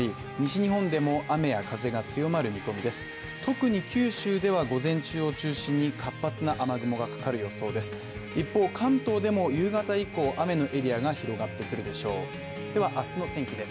特に九州では午前中を中心に活発な雨雲がかかる予想です。